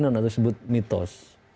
keyakinan atau disebut mitos